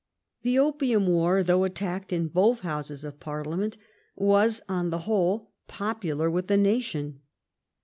The opium war, though attacked in both Houses of Parliament, was on the whole popular with the nation..